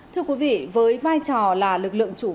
thưa quý vị với vai trò là lực lượng công an